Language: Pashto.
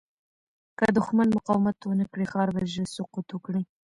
که دښمن مقاومت ونه کړي، ښار به ژر سقوط وکړي.